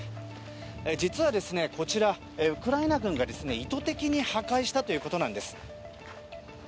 実はですね、こちらウクライナ軍が意図的に破壊したということなんです。